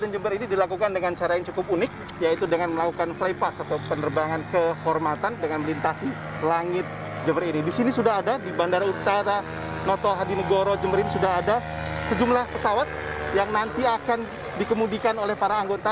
jember jawa timur